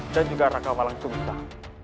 dan juga raka walangsungsan